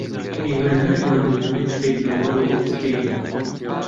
ئێمە ناتوانین هەموو شتێک لە ماڵەوە بکەین.